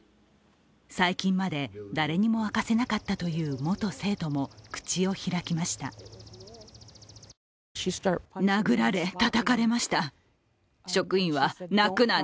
最近まで誰にも明かせなかったという元生徒も口を開きました。